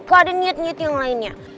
kok ada niat niat yang lainnya